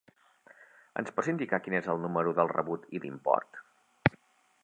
Em pots indicar quin és el número del rebut i l'import?